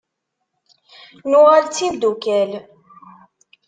Nuɣal d timeddukal.